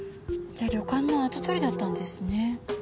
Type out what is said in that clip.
じゃあ旅館の跡取りだったんですね。